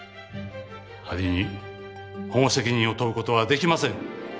アリに保護責任を問う事はできません。